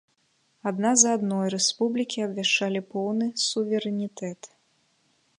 Адна за адной рэспублікі абвяшчала поўны суверэнітэт.